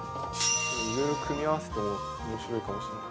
いろいろ組み合わせても面白いかもしれない。